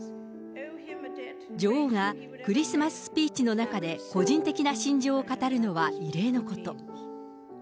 女王がクリスマススピーチの中で、個人的な心情を語るのは異例のこと。